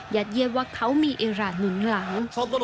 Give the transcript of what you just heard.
เยียดว่าเขามีอิราณหนุนหลัง